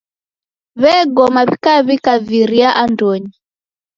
W'egoma w'ikaw'ika viria andonyi.